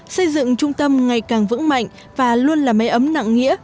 xây dựng trung tâm ngày càng vững mạnh và luôn là mê ấm nặng nghĩa